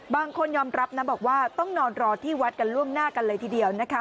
บางคนยอมรับนะบอกว่าต้องนอนรอที่วัดกันล่วงหน้ากันเลยทีเดียวนะคะ